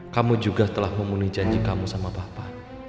kamu juga telah memenuhi janji kamu sama bapak